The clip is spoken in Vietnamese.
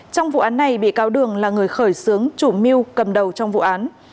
trong vụ án này bị cáo đường là người khởi xướng chủ mưu cầm đầu trong vụ án